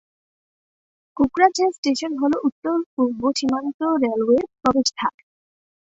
Kokrajhar station হল উত্তর-পূব সীমান্ত রেলওয়ের প্রবেশদ্বার।